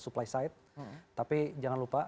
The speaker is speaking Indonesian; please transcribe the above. supply side tapi jangan lupa